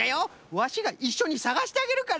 ワシがいっしょにさがしてあげるからの。